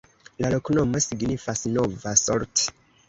La loknomo signifas: nova-Solt.